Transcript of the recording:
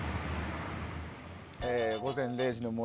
「午前０時の森」。